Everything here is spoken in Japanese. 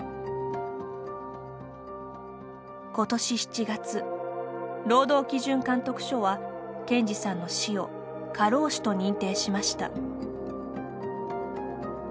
今年７月労働基準監督署は健司さんの死を過労死と認定しました。